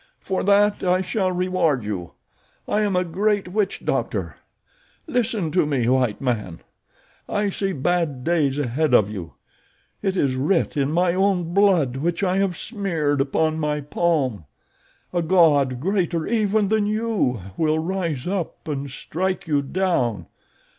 "For that I shall reward you. I am a great witch doctor. Listen to me, white man! I see bad days ahead of you. It is writ in my own blood which I have smeared upon my palm. A god greater even than you will rise up and strike you down.